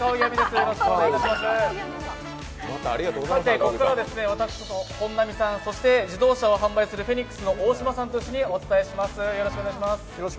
ここからは私と本並さん、そして自動車を販売するフェニックスの大島さんと一緒にお伝えします。